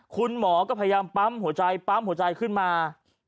คุณหมอก็พยายามปั๊มหัวใจปั๊มหัวใจขึ้นมา